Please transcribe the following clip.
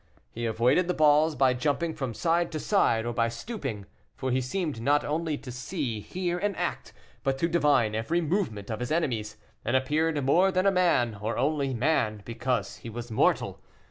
He avoided the balls by jumping from side to side, or by stooping; for he seemed not only to see, hear, and act, but to divine every movement of his enemies, and appeared more than a man, or only man because he was mortal.